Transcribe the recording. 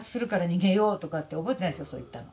そう言ったの。